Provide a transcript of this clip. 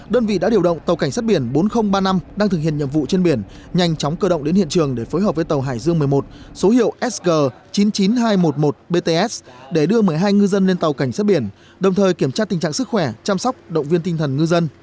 đơn vị đã điều động tàu cảnh sát biển bốn nghìn ba mươi năm đang thực hiện nhiệm vụ trên biển nhanh chóng cơ động đến hiện trường để phối hợp với tàu hải dương một mươi một số hiệu sg chín mươi chín nghìn hai trăm một mươi một bts để đưa một mươi hai ngư dân lên tàu cảnh sát biển đồng thời kiểm tra tình trạng sức khỏe chăm sóc động viên tinh thần ngư dân